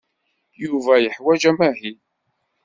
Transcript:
Yuba yeḥwaj amahil.